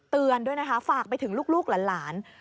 เตือนด้วยนะคะฝากไปถึงลูกหลาน